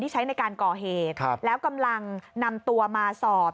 ใช้ในการก่อเหตุแล้วกำลังนำตัวมาสอบ